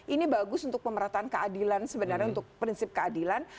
ini bagus untuk pemerataan keadilan sebenarnya untuk prinsip keadilan